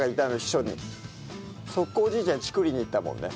速攻おじいちゃんにチクりに行ったもんね。